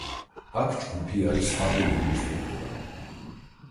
აქ ჯგუფი არის ალგებრული სტრუქტურა.